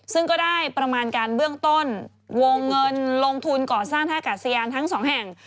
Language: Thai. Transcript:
ซึ่งก็ได้ประมาณการเบื้องต้นวงเงินลงทุนก่อสร้างท่ากาศยานทั้งสองแห่ง